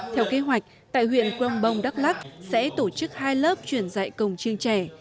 theo kế hoạch tại huyện crong bông đắk lắc sẽ tổ chức hai lớp truyền dạy cồng chiêng trẻ